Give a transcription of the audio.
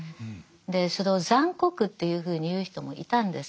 でそれを残酷というふうに言う人もいたんです。